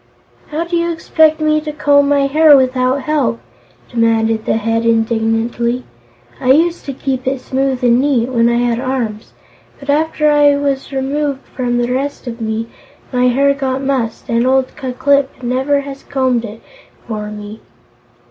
"How do you expect me to comb my hair without help?" demanded the Head, indignantly. "I used to keep it smooth and neat, when I had arms, but after I was removed from the rest of me, my hair got mussed, and old Ku Klip never has combed it for me."